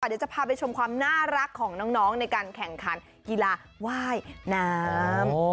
เดี๋ยวจะพาไปชมความน่ารักของน้องในการแข่งขันกีฬาว่ายน้ำ